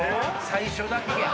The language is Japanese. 最初だけや。